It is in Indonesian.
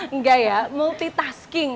enggak ya multitasking